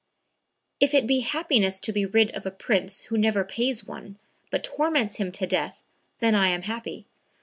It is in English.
"If it be happiness to be rid of a prince who never pays one, but torments him to death, then I am happy.